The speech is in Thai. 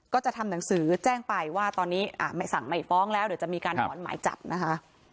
ก็จะทำหนังสือแจ้งไปว่าตอนนี้ไม่สั่งไม่ฟ้องแล้วเดี๋ยวจะมีการถอนหมายจับนะคะ